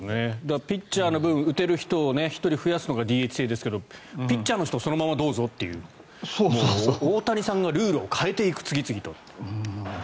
ピッチャーの分打てる人を１人増やすのがＤＨ制ですが、ピッチャーの人そのままどうぞという大谷さんがルールを変えていく次々と。